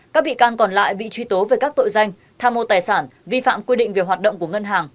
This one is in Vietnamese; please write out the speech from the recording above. các bị can còn lại bị truy tố về các tội danh tha mô tài sản vi phạm quy định về hoạt động của ngân hàng